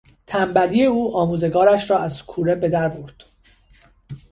تنبلی او آموزگارش را از کوره بدر برد.